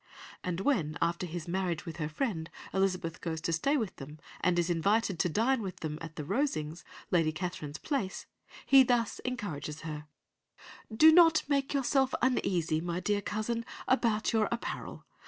'" And when, after his marriage with her friend, Elizabeth goes to stay with them, and is invited to dine with them at the Rosings, Lady Catherine's place, he thus encourages her— "'Do not make yourself uneasy, my dear cousin, about your apparel.